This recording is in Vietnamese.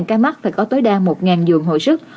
năm ca mắc phải có tối đa một dường hồi sức